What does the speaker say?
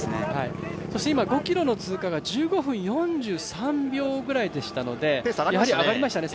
そして今、５ｋｍの通過が１５分４３秒ぐらいでしたのでやはり上がりましたね